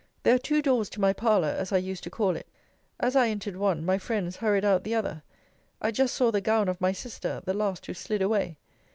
There are two doors to my parlour, as I used to call it. As I entered one, my friends hurried out the other. I just saw the gown of my sister, the last who slid away.